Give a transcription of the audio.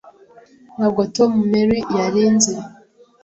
Ntabwo Tom Mary yarinze.